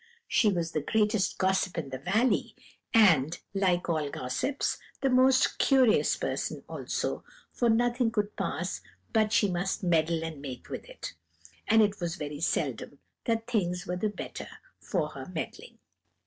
She was the greatest gossip in the valley, and, like all gossips, the most curious person also, for nothing could pass but she must meddle and make with it; and it was very seldom that things were the better for her meddling.